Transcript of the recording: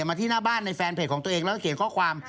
มาที่หน้าบ้านในแฟนเพจของตัวเองแล้วก็เขียนข้อความ